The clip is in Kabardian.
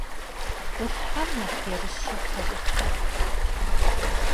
Ӏулъхьэм нэхъ ерыщу пэщӀэтыпхъэщ.